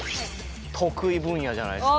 得意分野じゃないですか。